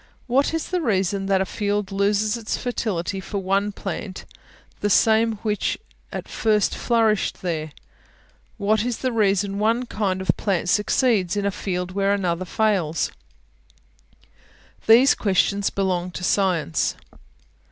What is the reason that a field loses its fertility for one plant, the same which at first flourished there? What is the reason one kind of plant succeeds in a field where another fails? These questions belong to Science.